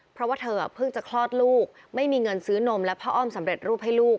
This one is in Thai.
เพราะว่าเธอเพิ่งจะคลอดลูกไม่มีเงินซื้อนมและผ้าอ้อมสำเร็จรูปให้ลูก